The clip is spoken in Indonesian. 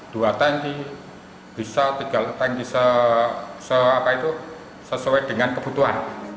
dua tanki bisa tiga tanki sesuai dengan kebutuhan